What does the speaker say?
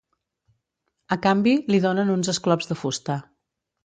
A canvi, li donen uns esclops de fusta.